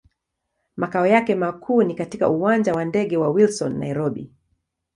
Makao yake makuu ni katika Uwanja wa ndege wa Wilson, Nairobi.